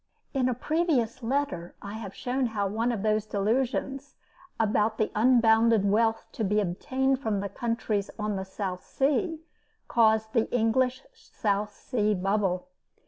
In a previous letter, I have shown how one of those delusions, about the unbounded wealth to be obtained from the countries on the South Sea, caused the English South Sea bubble.